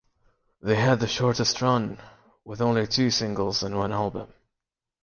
They had the shortest run with only two singles and one album.